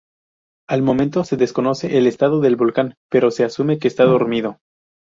Al momento se desconoce el estado del volcán, pero se asume que esta dormido.